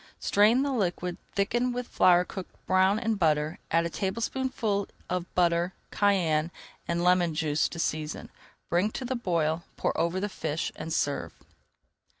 Strain the liquid, thicken with flour cooked brown in butter, add a tablespoonful of butter, cayenne, and lemon juice to season. Bring to the boil, pour over the fish, and serve.